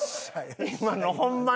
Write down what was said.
今のホンマに。